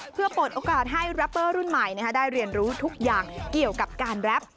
เพื่อเปิดโอกาสให้แรปเปอร์รุ่นใหม่ได้เรียนรู้ทุกอย่างเกี่ยวกับการแรป